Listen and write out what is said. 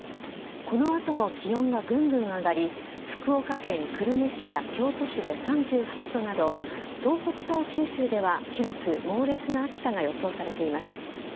この後も気温がぐんぐん上がり福岡県久留米市や京都市で３８度など東北から九州では広く猛烈な暑さが予想されています。